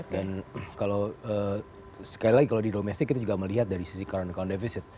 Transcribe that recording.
dan kalau sekali lagi kalau di domestik kita juga melihat dari sisi current account deficit